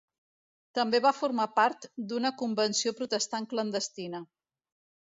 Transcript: També va formar part d'una convenció protestant clandestina.